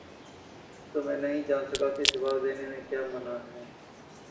تو میں نہیں جان سکا کہ جواب دینے میں کیا مانع ہے؟